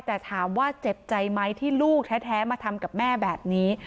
แต่ถามว่าเจ็บใจไหมที่ลูกแท้มาทำกับแม่แบบนี้